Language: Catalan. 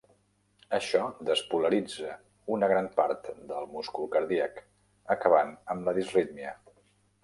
Això despolaritza una gran part del múscul cardíac, acabant amb la disrítmia.